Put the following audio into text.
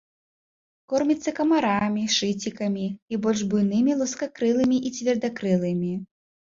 Корміцца камарамі, шыцікамі і больш буйнымі лускакрылымі і цвердакрылымі.